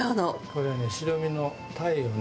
これはね白身の鯛をね。